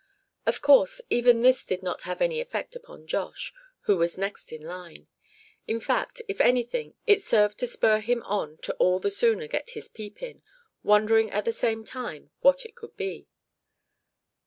Of course, even this did not have any effect upon Josh, who was next in line. In fact, if anything, it served to spur him on to all the sooner get his peep in; wondering at the same time what it could be.